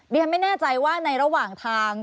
ฉันไม่แน่ใจว่าในระหว่างทาง